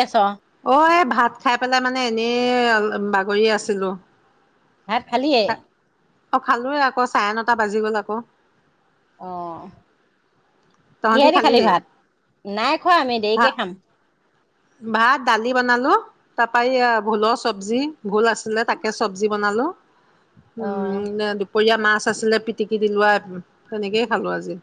আছ অ এ ভা ভাত খাই পেলাই মানে এনেই বাগৰি আছিলো। ভাত খালীয়ে? অ খালোএ আকৌ চাৰে নটা বাজি গ'ল আকৌ। অহ। কিহে দি খালি ভাত? নাই খোৱা আমি ভাত দেৰিকে খাম। ভাত দালি বনালো তাৰপৰা ভোলৰ চব্জি ভোল আছিলে তাকে চব্জি বনালো। অ উম দুপৰীয়া মাছ আছিলে পিটিকি দিলোৱা তেনেকেই খালো আজি।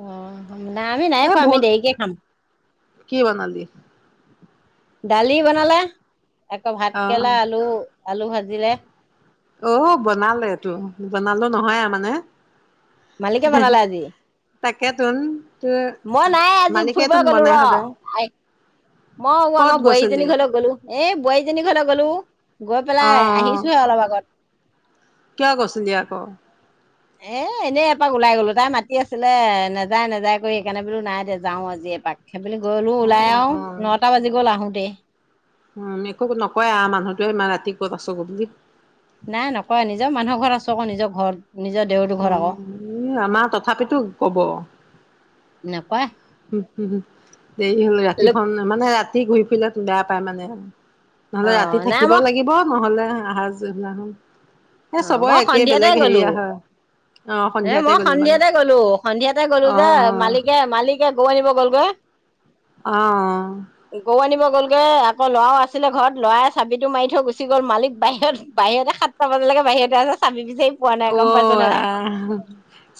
অ নাই আমি নাই এ খোৱা আমি ভোল দেৰিকে খাম। কি বনালি? দালি বনালে। আকৌ অ ভাতকেৰেলা আলু আলু ভাজিলে। অ বনালেটো বনালো নহয় আৰু মানে। মালিকে বনালে [unintelligible] আজি তাকেতুন মই নাই আজি ফুৰিব গলো ৰ। সদায় মই ক'ত আমাৰ গৈছিলি বোৱাৰীজনীৰ ঘৰলৈ গলো এ বোৱাৰীজনীৰ ঘৰলৈ গলো গৈ অ অ পেলাই আহিছোহে অলপ আগত কিয় গৈছিলি আক? এ এনেই এপাক ওলাই গলো তাই মাতি আছিলে নেযায় নেযায় কৰি সেইকাৰণে বোলো নাই দে যাও আজি এপাক সেই পেলি গ'লোঁ ওলাই অ', আৰু নটা বাজি গ'ল আহো। তে উম একো নকয় আহ মানুহটোৱে ইমান ৰাতি কত আছহে বুলি নাই নকয় নিজৰ মানুহৰ ঘৰত আছো আকৌ নিজৰ ঘৰত। নিজৰ দেউৰ অ ঘৰত আকৌ এই আমাৰ তথাপিতো কব, নেপায়। উম হম হ দেৰি হ'ল ৰাতিখন মানে ৰা ৰা ঘূই ফুইলে বেয়া পায় মানে, অ নহলে ৰাতি নাই থাকিব মই লাগিব নহলে। আহ হাজ অ মই সন্ধিয়াতে গলো অ', হ সন্ধিয়াতে মই গ'লি মানে সন্ধিয়াতে গ'লো সন্ধিয়াতে গ'লো যে অ', অ', মালিকে মালিক এ গৰু আনিব গ'লগৈ। আহ গৰু আনিব গ'লগৈ আকৌ লৰাও আছিলে ঘৰত লৰাই চাবিটো মাৰি থৈ গুচি গ'ল মালিক বাহিৰত বাহিৰতে সাতটা বাজিলেগে বাহিৰতে আ চাবি পোৱা নাই গম অ', পাইছনে নাই আহ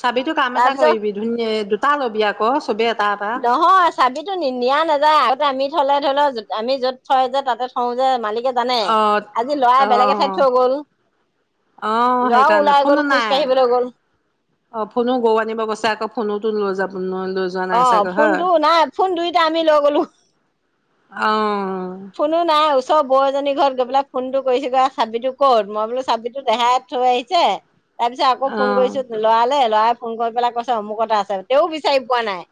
চাবিতো কাম এটা তাৰপিছত কৰিবি ধুনীয়া দুটা ল'বি আকৌ চবেই এটা এটা নহয় চাবিতো নি নিয়া নাযায়। আমি থলে ধৰি লও আমি য'ত থয় যে তাতে থওঁ যে মালিক, জানে অ', আজি লৰাই বেলেগ এঠাইত অ', থৈ গ'ল অ ল'ৰা সেইকাৰণে ওলাই ফোন গ'ল খোজ নাই কাঢ়িবলৈ গ'ল অ ফোনো গও আনিব গৈছে আকৌ ফোনোতো লৈ যাব [unintelligible] অ চাগৈ হয়। ফোনটো নাই ফোন দুইটা আমি ল গলো অ ফোনো নাই। ৰ বৌ এজনীৰ ঘৰত গৈ পেলাই ফোনটো কৰিছেগৈ চাবিটো ক'ত মই বোলো চাবিটো দেহাই থৈ আহিছে তাৰ পিছত আকৌ অ ফোন কৰিছো লৰালে লৰা সোন গৈ পেলাই কৈছে অমুকততে আছে তেওঁও বিচাৰি পোৱা নাই।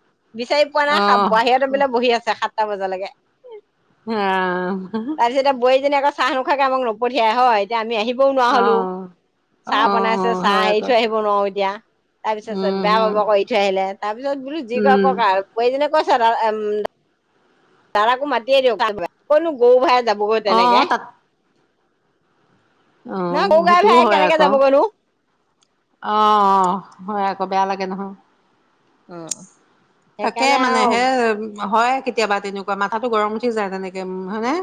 বিচাৰি পোৱা অ নাই বাহিৰতে বোলে বহি আছে খাত। এটা মজা লাগে। বোৱাৰীজনী আকৌ আহ চাহ নোখাকে আমাক নপঠিয়াই হয় এতিয়া আমি আহিম ও নোৱাৰা অ হলো অ চাহ অ বনাইছে চাহ হয় এৰি আকৌ থৈ আহিব নোৱাৰো এতিয়া তাৰ পিছত উম বেয়া হম পাব কৰি থৈ আহিলে তাৰ তাৰ পিছত বোলো যি কৈ উম কক আৰু ক যেনে। কৈছা উ দাদা কো মাতিয়ে দিয়ক তইনো গৰু ভাইে যাব। অ তেনেকে। তাত অ ককাই সেইটোও ভাই হয় কেনেকে আকৌ যাবগে নো। অ আকৌ বেয়া লাগে নহয়। অ তাকে সেইকাৰণে মানে আৰু হে। হয় কেতিয়াবা তেনেকুৱা মাথাাতো গৰম উঠি যায় তেনেকে হয়নে।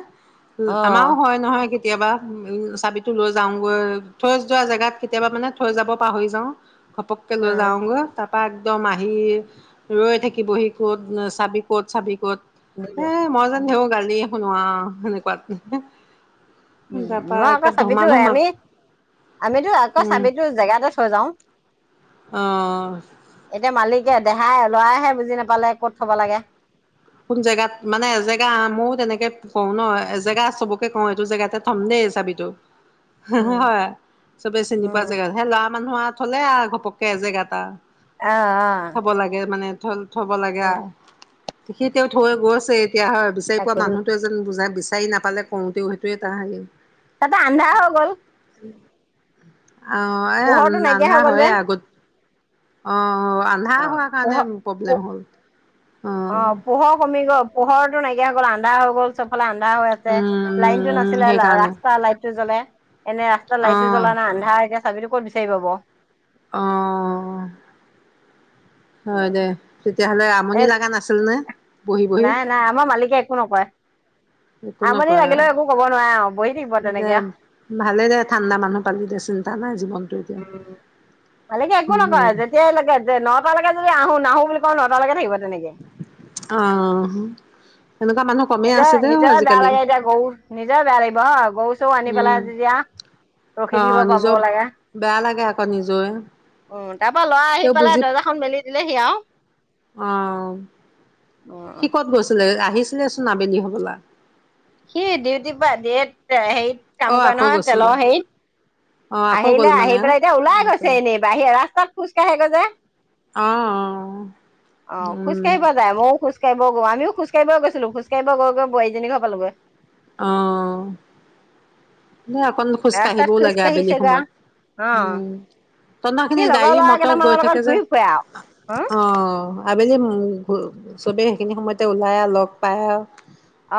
অ আমাৰও হয় নহয়। কেতিয়াবা উম চাবিতো লৈ যাওগৈ থৈ যোৱা জেগাত কেতিয়াবা মানে থৈ যাব পাহৰি যাওঁ। খপক ল অ যওঁগ তাত। একদম আহ। আহি ৰৈ থাকিবহি ক'ত চাবি ক'ত চাবি দিলো ক'ত। এ মই যে দেওঁ গালি। শুনোৱা হেনেকুৱা। উ মই আকৌ চাবিিতো আমি আমিতো আকৌ উম চাবিিতটো জেগাতে থৈ যাও অ এতিয়া মালিক। তে দেহাই লৰাইহে বুজি নাপালে ক'ত থব লাগে। কোন জেগাত মানে এজেগা আহ মইও তেনেকে কওঁ ন এজেগা চবকে কওঁ এইটো জেগাতে থম দেই চাবিটো। উম হয় চবে চিনি পোৱা উম জেগাত সেই ল'ৰা মানুহৰ। থ'লে ঘপককে এজেগা এটা। অহ অহ থব থ'ব লাগে সি তেওঁ থৈ গৈছে? এতিয়া হয় বিচাৰি পোৱা তাকে মানুহটোৱে যেন বোজাত বি। চাৰি নাপালে কওঁতেও সেইটোৱে তাহানি। তাতে আন্ধাৰ হৈ গ'ল। অ এ পোহৰটো নাইকিয়া আন্ধা হৈ গ'ল যে হয়ে আগত। অ আন্ধা অ হোৱাৰ কাৰণে পোহৰ প্ৰব্লেম হ'ল অ। পোহৰ কমি গ'ল পোহৰটো নাকিয়া হৈ গ'ল আন্ধা হৈ গ'ল চবফালে। আন্ধা হৈ উম আছে উম লাইনটো উম নাছিলে সেইকাৰণে ৰাস্তা লাইট টো জ্বলে। এনে ৰাস্তাত অ লাইটটো জ্বলা নাই আন্ধাৰ এতিয়া। চাবিটো ক'ত বিচাৰি পাব। অ হয় দে তেতিয়াহ'লে আমনি এক লগা নাছিল নে? বহি বহি নাই নাই আমাৰ মালিকে একো নকয়। একো আমনি নকয় আৰু। লাগিলেও একো ক'ব নোৱাৰে অ বহি থাকিব। দে তেনেকে ভালে দে ঠাণ্ডা মানুহ পালি দে চিন্তা নাই জীৱনটো এতিয়া। মালিকে একো নকয় উম যেতিয়া লৈকে যে নটালৈকে যদি আহো নাহোঁ বুলি- তোমাৰ নটালৈকে থাকিব তেনেকে। অহ এনেকুৱা মানুহ কমেই নিজৰ আছে দেও নিজৰ বেয়া আজিকালি লাগে এতিয়া গৰু। নিজৰ বেয়া লাগিব। গৰু চৰু আনি উম পেলাই যেতিয়া ৰখি অ থাকিব পাব নিজৰ লাগে বেয়া লাগে আকৌ নিজৰে উম। তাৰ পৰা ল'ৰা আহি পেলাই দৰ্জাখন মেলি। দিলেহি আৱ অহ সি ক'ত গৈছিল আহি? ছিলে চোন আবেলি হ'বলা। সি ডিউটিৰ পা দিয়ে হেৰি - অ কাম কৰে আকৌ নহয় গৈছিলে তেলৰ হেৰিত, অ আকৌ গ'ল আহিলে আহি মানে পেলাই এতিয়া ওলাই গৈছে আকৌ এনেই বাহিৰত ৰাস্তাত। খোজকাঢ়েগৈ যে। অ অ অ খোজ উম কাঢ়িব যায় মইও খোজকাঢ়ি বৰুৱানি খোজকাঢ়িব গৈছিলোঁ। খোজ কাঢ়িব গৈ গৈ বোৱাৰী জনীৰ ঘৰ পালুগৈ। অ। ন অকন খোজ ৰাস্তাত কাঢ়িবও খোজ লাগে আবেলি কাঢ়িছেগৈ সময়ত। আৰু অ উম। তহঁতৰ সি সেইখিনি গাড়ী লগৰ ল'ৰা মটৰ গৈ কেইটামানৰ লগত থাকে যে। ঘূৰি ফুৰে আৰু অ। আবেলি চবেই সেইখিনি সময়তে ওলায় আৰু লগ পায় আৰু।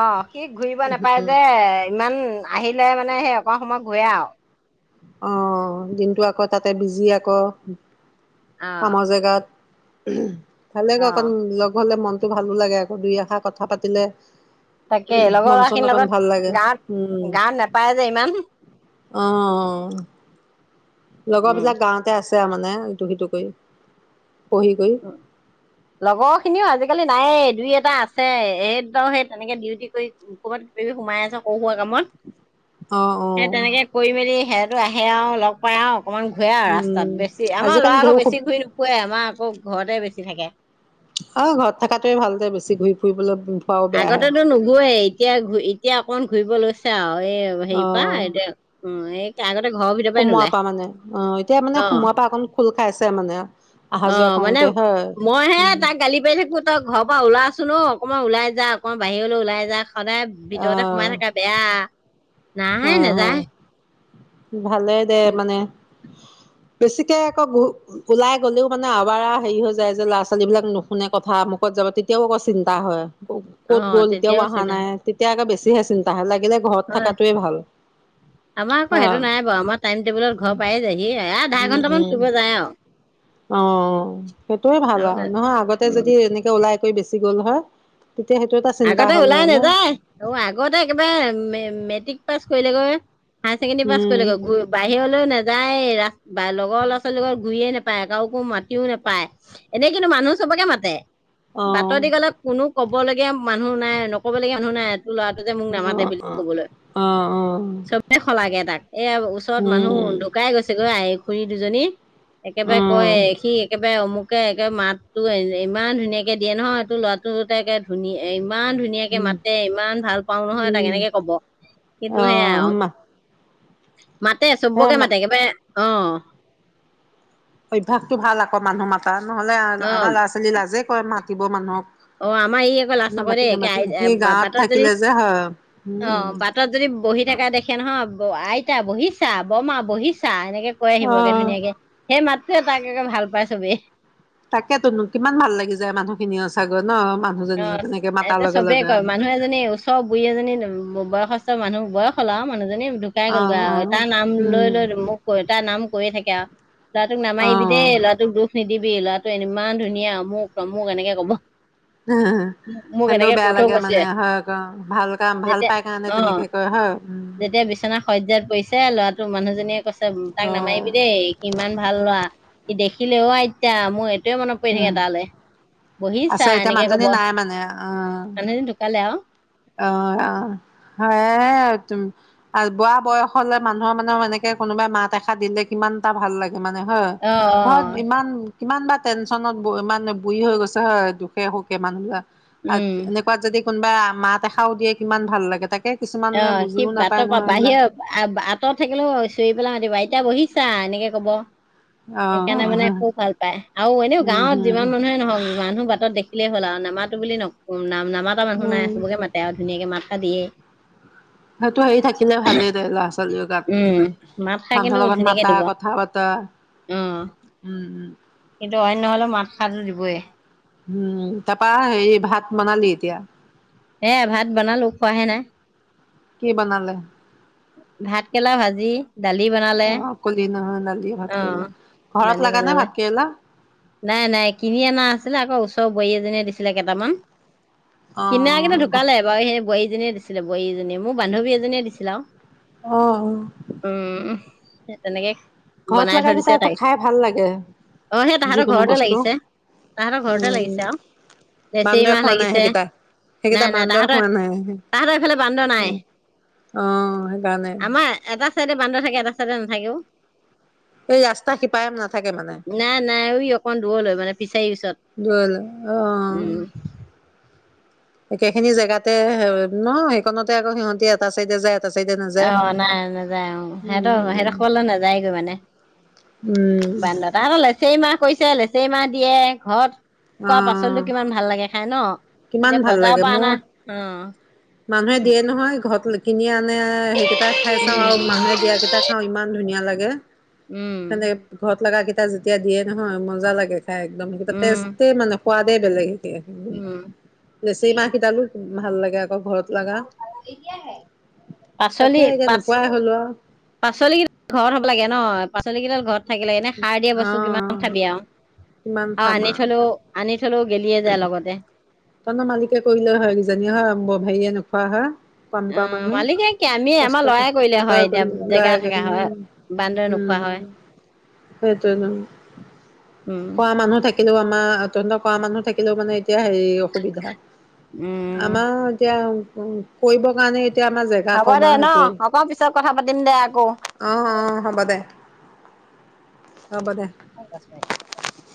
অ সি ঘূৰিব নাপায় যে ইমান আহিলে মানে সেই অকমান সময় ঘূৰে আৰু। অ দিনটো আকৌ তাতে বিজি আকৌ। অ কামৰ জেগাত। [inaudible] ভালে ক অ অকন লগ হ'লে মন। টো ভালো লাগে আকৌ দুই এখাৰ কথা পাতিলে তাকে লগৰ মন ল'ৰা চন খিনিৰ অকণ ভাল লাগে লগত উম গাঁওত -গাঁওত নেপায় যে ইমান। অ লগৰ বিলাক উম গাওঁতে আছে। [unintelligible] মানে ইটো সিটো কৰি। পঢ়ি কৰি লগৰ খিনিও আজিকালি তাৰে দুই এটা আছে। এই দুটাও সেই তেনেকে ডিউটি কৰি ক'ৰবাত [unintelligible] সোমাই আছে সৰু-সুৰা কামত। অ অ সেই তেনেকে কৰি মেলি [unintelligible] [unintelligible] আহে আৰু লগ পাই আৰু অকমান ঘূৰে আৰু ৰাস্তাত উম বেছি আমাৰ আজিকালি ল'ৰা ঢেউ আকৌ খুব বেছি ঘূৰি নুফুৰে। আমাৰ আকৌ ঘৰতে বেছি থাকে। অ ঘৰত থাকাতোৱে ভাল দে বেছি ঘূৰি ফুৰিবলৈ ফুৰাও বেয়াহে আগতেতো নুঘুৰেই, এতিয়া - এতিয়া অকন ঘূৰিব লৈছে। ছে আৰু। এই হেৰি পা অ এতিয়া, উম এই [unintelligible] ঘৰৰ ভিতৰ পৰা সোমোৱাৰ নোলায়। মানে অ এতিয়া মানে অ, সোমোৱাৰ পৰা অকণ খোল খাইছে মানে অহা অ, যোৱা মানে কৰোতে হয় মই হে উম তাক গালি পাৰি থাকো তই ঘৰৰ পৰা ওলাচোন অ। মই উলাই যা অকণ বাহিৰলৈ ওলাই যা সদায় ভিতৰতে সোমাই আহ থাকা বেয়া। নাই অ' হ'। নাযায় ভালে দে উম, মানে বেছিকে আকৌ ঘু - ওলাই গ'লেও মানে আবাৰা হেৰি হৈ যায় যে ল'ৰা ছোৱালী বিলাক নুশুনে কথা মুখত যাব তেতিয়াও আকৌ চিন্তা হয়। ক'ত অ', গ'ল এতিয়াও তেতিয়াও গৈছে অহা নাই, তাহাঁত তেতিয়াে আৰু বেছি চিন্তাহে লাগে ঘৰত থাকা হয়, আমাৰ আকৌ সেইটো নাই বাৰু আমাৰ টাইম টেবুলত ঘৰ পায় যায়হি আ আধা উম ঘন্টামান উম ফুব যায় আৰু অ সেইটোয়ে ভাল আৰু, নহয় আগতে উম, যদি এনেকে ওলাই বেছি গ'ল হয় তেতিয়া সেইটো এটা চিন্তা আগতে হ'ল ওলাই হয় ন নাযায়, অ আগতে একেবাৰে মে-মেট্ৰিক পাছ কৰিলে গৈ হায়াৰ ছেকেণ্ডেৰী পাছ উম কৰিলেগৈ, বাহিৰলৈও নাযায় নাযায়ে ৰা লগৰ ল'ৰা ছোৱালীৰ লগত ঘূৰিয়ে নাপায় কাকো মাতিও নোপায়, এনেই কিন্তু মানুহ চবকে মাতে। বাটে দি গলে কোনো ক'ব লাগে মানুহ নাই নকবলগীয়া মানুহ নাই ল'ৰাটো যে মোক নামাতে বুলি কবলৈ, চবে সলাগে তাক এ ওচৰত মানুহ ঢুকাই গৈছেগৈ খুৰী দুজনী একেবাৰে কয়ে, সি একেবাৰে অমুক একে-একে মাতটো এ ইমান ধুনীয়াকে দিয়ে নহয়, এইটো ল'ৰাটো ধুনিয়া এই ইমান ধুনীয়াকে মাতে, ইমান ভাল পাওঁ নহয় তাক এনেকে কব, কিন্তু সেয়াই আহ আৰু মা [inaudible] মাতে, হে চবকে মা মাতে একেবাৰে অ অভ্যাসটো ভাল আকৌ মানুহ মাতা নহ'লে, অ আ-আমাৰ ল'ৰা-ছোৱালী লাজে কৰে মাত মাতিব মানুহক অ, আমাৰ ই আকৌ লাজ নকৰে নামাতি দে নামাতি একে, সেই গাঁৱত বাটত যদি থাকিলে যে হয় অ, উম বাটত যদি বহি থকা দেখে নহয় অ, আইতা বহিছা, ৰ্বমা বহিছা, এনেকে এনেকে কয় আহিবগে অহ ধুনীয়াকে, সেই মাতটোৱে তাক একেভাল পাই ছবে তাকেতো, কিমান ভাল লাগি যায় মানুহখিনি সচাঁকৈ অ, এতিয়া চবেই কয়, মানুহ এজনী ওচৰ বুঢ়ী এজনী বয়সস্থ বয়সস্থ মানুহ, বয়স হ'ল আৰু মানুহজনী মানুহৰজনী ঢুকাই অ গ'লগৈ অ আৰু, এ তাৰ নাম উম লৈ-লৈ মোক কয়, তাৰ নাম কৈয়েই থাকে। [unintelligible] সেইয়া ল'ৰাটোক নামাৰিবি দেই, অ ল'ৰাটোক দুখ নিদিবি, ল'ৰাটো ইমান ধুনীয়া, অমুক-তমুক এনেকে কব। মোক সেহতেও এনেকে কৈ বেয়া থৈ লাগে গৈছে, মানে হয় ভাল কাম ভাল যেতিয়া পাই কাৰণে অহ তেনেকে কয় হয় উম। যেতিয়া বিচনা সজ্জাত পৰিছে ল'ৰাটো মানুহজনীয়ে কৈছে, তাক নামাৰিবি অ'। দেই, ই ইমান ভাল ল'ৰা। ই দেখিলে, অ' আইতা মোৰ সেইটোৱে মনত পৰি উম, থাকে তাৰলে। বহিছা এনেকে এ নাই মানে, অ মানুহজনী ঢুকালে আৰু অ-অ, হয় হে তোমাৰ। [unintelligible] আৰু বুঢ়া বয়স হলে মানুহৰ মানে এনেকে কোনোবাই মাত এষাৰ দিলে কিমান এটা ভাল লাগে। মানে হয়, অ অ ঘৰত ইমান। কিমান বা টেনশ্যনত ইমান বুঢ়ি হৈ গৈছে হয়, দুখে-সুখে মানুহবিলাক। উম এনেকুৱা যদি কোনোবা মাত এষাৰো দিয়ে, কিমান ভাল লাগে, তাকে অ কিছুমানে 'সি বুজিও নাপায় বাটৰ পৰা নহয় এইবিলাক। বাহিৰ আঁতৰ থাকিলেও চিঞৰি পেলাই মাতিব [unintelligible] এতিয়া বহিছা এনেকে কব। অ', সেইকাৰণে মানে অ', খুব ভাল পায় আৰু এনেও উম, গাঁৱত হম। যিমান মানুহে নহওক মানুহ বাটেদি বাটত দেখিলে হ'ল আৰু নামাতো বুলি নক নাম নামাটা মানুহ উম নাই চবকে মাতে আৰু ধুনাকে মাত মাত এসাৰ দিয়ে। সেইটো হেৰি থাকিলে ভালেই তাই ল'ৰা ছোৱালী উম গাত মাত সাৰ কিন্তু মানুহৰ লগত ধুনীয়াকে দিব মানুহৰ কথা পতা অ উম উম। হবয়ে। উম তাৰাপা এই ভাত বনালি এতিয়া? এ ভাত বনালো খোৱাহে নাই। কি বনালে ভাতকৰেলা ভাজি দালি বনালে অ কলি নহয় দালি ভাত কেৰেলা অ' ঘৰত দালি লাগা নে বনালে ভাত কেৰেলা নাই নাই কিনি অনা আছিলে আকৌ ওচ ত বোৱাৰী এজনীয়ে দিছিলে কেইটামান। অ কিনা কিন্তু ঢুকালে বাৰু সেই বোৱাৰী জনীয়ে দিছিলে বোৱাৰী এজনীয়ে মোৰ বান্ধৱী এজনীয়ে দিছিলে আৰু। অ অ উম। তেনেকে ঘৰত বনাই লগা থৈ কেইটা দিছে আকৌ তাই খাই ভাল লাগে অ সেই তাহাঁতৰ যিকোনো ঘৰতে বস্তু, লাগিছে তাহাঁতৰ উ ঘৰতে লাগিছে উ আৰু। লেচেৰি বান্দৰে মাহ খোৱা নাই লাগিছে সেইকেইটা? সেইকেইটা নাই নাই বান্দৰে তাহতৰ খোৱা নাই তাহতৰ এইফালে বান্দৰ নাই, অ সেইকাৰণে আমাৰ এটা চাইডে বান্দৰ থাকে এটা চাইডে নাথাকে অ। এই ৰাস্তা শিপাৰে নাথাকে মানে? অকন দুৰলে মানে পিচ জল অহ। একেখিনি জেগাতে ন সেইখনতে আকৌ সিহঁতি এটা চাইডে যায় এটা চাইডে অ নাযায়। নাই নাযায় অ হেত উম সেইদখলে নাযায়গৈ মানে উম বান্দত লেছেইমাহ কৰিছে লেচেইমাহ দিয়ে ঘৰত অ খোৱা পাচলি কিমান ভাল লাগে খাই ন। কিমান এতিয়া ভাল বজাৰৰ লাগে পৰা মোৰ অনা অ মানুহে উম, দিয়ে নহয় ঘৰত কিনীয়া মানে সেইকেইটা খাই চাও আৰু মানুহে দিয়া কেইটা খাও ইমান ধুনীয়া লাগ উম, লাগে। [unintelligible] ঘত লগা কেই যেতিয়া দিয়ে নহয় মজা লাগে। একদম গোটে উম। টেষ্ট এ মানে সোৱাদে বেলেগ। উম [unintelligible] লেচেৰী মাহ কিদালো ভাল লাগে আকৌ ঘৰত লগা। পাচলি, তাকে এতিয়া পা, নোপোৱাই হ'লো আৰু পাচলি কি ঘৰত হ'ব লাগে ন। পাচলি কেইডাল ঘৰত থাকিলে এনে সাৰ দিয়া অ বস্তু কিমান খাবি আৰু। কিমান আৰু খাম আনি আও থলো আনি থলেও গেলিয়ে যায় লগতে তহঁতৰ মালিকে কৰিলে হয় কিজানি, হয়। ব' হেৰিয়াৰ হয়! হয়! কাম কৰা অ' মানুহ মালিকে কি, আমি কষ্ট আমাৰ কৰে ল'ৰাই কৰিলে তই হয় এতিয়া। কৰিলি জেগা লৰাই থকা কৰিলি হয়, বান্দৰে নোখোৱা হয়। সেইটোয়ে নহ। উম খোৱা মানুহ থাকিলেও আমাৰ তহঁতি ত' কৰা মানুহ। থাকিলেও মানে। এতিয়া হেৰি অসুবিধা, উম আমাৰ এতিয়া উ, কৰিবৰ কাৰণে এতিয়া আমাৰ জেগা হ'ব কম দে, আৰু ন, সেইটোৱে ‌ হ'ব পিছত কথা পাতিম দে আকৌ। অ অ হ'ব দে হ'ব দে।